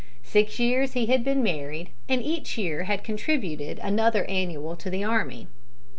Six years had he been married, and each year had contributed another annual to the army.